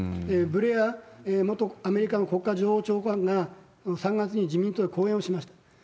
ブレア元アメリカ国家情報長官が、３月に自民党で講演をしました。